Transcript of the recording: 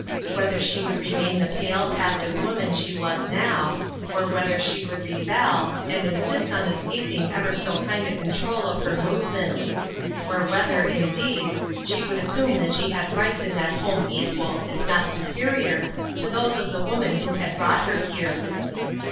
Whether she would remain the pale, passive woman she was now, or whether she would rebel, and insist on escaping ever so AT HOME. 329 kind a control of her movements. Or, whether, indeed, she would assume that she had rights in that home equal, if not superior, to those of the woman who had brought her here.